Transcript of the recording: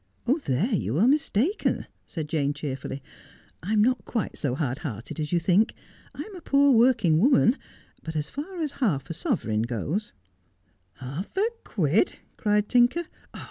' There you are mistaken,' said Jane cheerfully. ' I am not quite so hard hearted as you think. I'm a poor working woman, but as far as half a sovereign goes '' Half a quid,' cried Tinker.